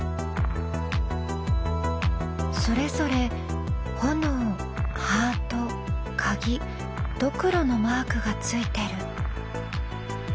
それぞれ炎ハートカギドクロのマークがついてる。